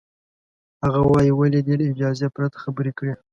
هغه وایي، ولې دې له اجازې پرته خبرې کړې؟